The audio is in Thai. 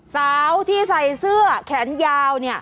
สาวที่ใส่เสื้อแขนยาว